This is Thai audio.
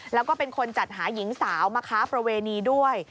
แล้วก็เป็นคนจัดหาหญิงสาวมาค้าประเวณีด้วย